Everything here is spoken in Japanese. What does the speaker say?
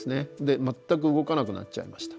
全く動かなくなっちゃいました。